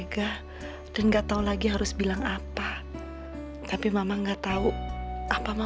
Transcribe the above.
janganlah jodohin clara sama boy ma